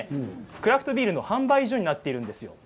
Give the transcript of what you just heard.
クラフトビールの販売所になっているんですよ。